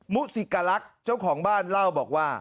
มุสิกลักษณ์เจ้าของบ้านเล่าบอกว่า